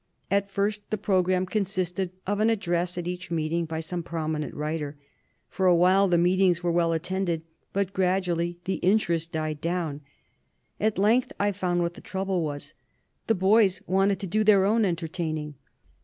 At first the program consisted of an address at each meeting by some prominent writer. For a while the meetings were well attended, but gradually the interest died down. "At length I found what the trouble was the boys wanted to do their own entertaining.